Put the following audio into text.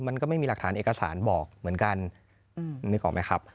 มันก็ไม่มีหลักฐานเอกสารบอกเหมือนกันนึกออกไหมครับ